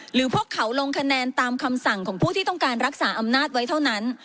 หรือพวกเขาลงคะแนนตามคำสั่งของผู้ที่ต้องการรักษาอำนาจไว้เท่านั้น